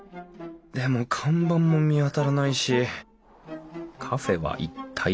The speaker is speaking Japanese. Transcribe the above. でも看板も見当たらないしカフェは一体どこなんだろう？